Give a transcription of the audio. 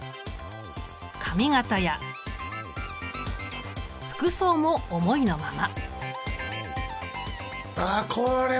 髪形や服装も思いのまま。